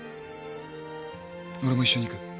俺も一緒に行く。